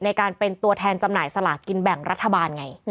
ในการเป็นตัวแทนจำหน่ายสลากินแบ่งรัฐบาลไง